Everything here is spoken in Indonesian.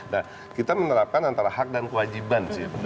nah kita menerapkan antara hak dan kewajiban sih